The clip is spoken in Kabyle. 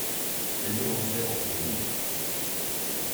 Lliɣ ẓriɣ uqbel-ik.